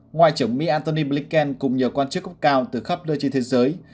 ngoại trưởng mỹ antony blinken cùng nhiều quan chức cấp cao từ khắp đời trên thế giới